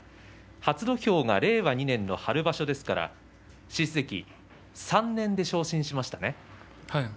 初土俵が令和２年の春場所ですから獅司関、３年で昇進しましたね。